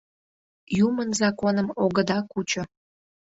Юмын законым огыда кучо.